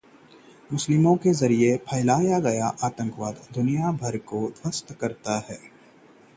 बांग्लादेशी छात्र को निर्वासित किया जाएगा